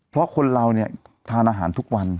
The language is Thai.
เพราะคนเราเนี่ยทานอาหารทุกวัน